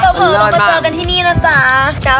ขอบคุณมาเจอกันที่นี่นะจ๊ะ